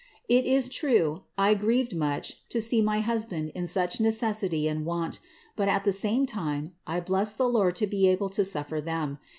It is true, I grieved much to see my hus band in such necessity and want ; but at the same time I blessed the Lord to be able to suffer them.